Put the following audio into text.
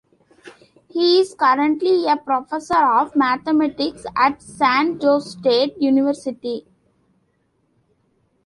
He is currently a professor of mathematics at San Jose State University.